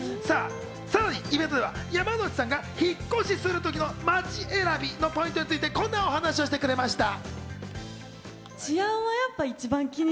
さらにイベントでは山之内さんが引っ越しする時の街選びのポイントについてこんなお話をしてくれました。